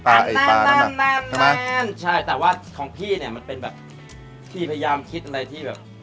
ปลาไอ้ปลาน่ะใช่ไหมใช่แต่ว่าของพี่เนี้ยมันเป็นแบบพี่พยายามคิดอะไรที่แบบ